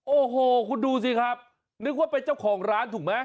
โอ้โหคุณดูสิครับนึกว่าเป็นเจ้าของร้านถูกไหม